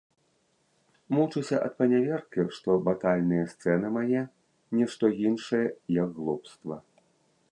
Мучуся ад паняверкі, што батальныя сцэны мае не што іншае, як глупства.